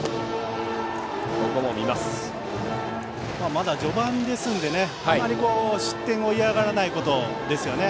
まだ序盤ですのであまり失点を嫌がらないことですね。